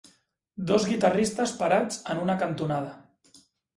Dos guitarristes parats en una cantonada.